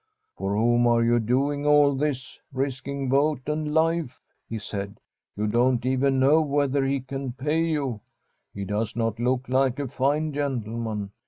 ' For whom anr you doing all this, risking boat ami Hie?* he saiA *You don't even know whether he can pay von. He does not look like a fine frentleman.